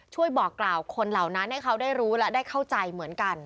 บอกกล่าวคนเหล่านั้นให้เขาได้รู้และได้เข้าใจเหมือนกัน